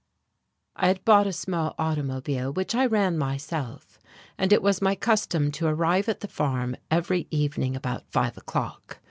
I had bought a small automobile, which I ran myself, and it was my custom to arrive at the farm every evening about five o'clock.